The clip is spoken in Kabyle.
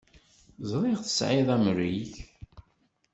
Ẓriɣ tesɛiḍ amrig.